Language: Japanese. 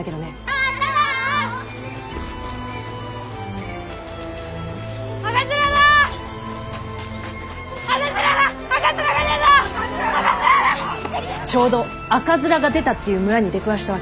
ちょうど赤面が出たっていう村に出くわしたわけ。